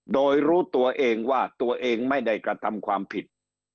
โดยรู้ตัวเองว่าตัวเองไม่ได้กระทำความผิด